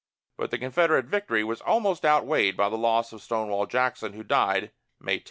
But the Confederate victory was almost outweighed by the loss of Stonewall Jackson, who died May 10.